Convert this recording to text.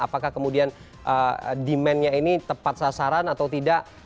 apakah kemudian demandnya ini tepat sasaran atau tidak